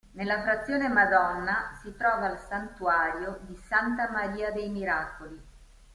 Nella frazione Madonna si trova il Santuario di Santa Maria dei Miracoli.